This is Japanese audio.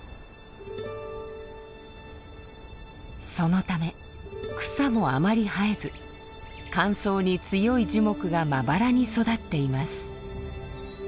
そのため草もあまり生えず乾燥に強い樹木がまばらに育っています。